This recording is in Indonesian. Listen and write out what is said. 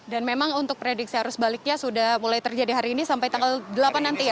dan memang untuk prediksi arus baliknya sudah mulai terjadi hari ini sampai tanggal delapan nanti ya